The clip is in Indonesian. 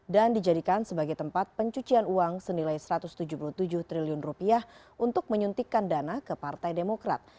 dan dijadikan sebagai tempat pencucian uang senilai satu ratus tujuh puluh tujuh triliun rupiah untuk menyuntikkan dana ke partai demokrat